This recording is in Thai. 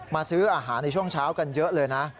ซื้ออาหารในช่วงเช้ากันเยอะเลยนะ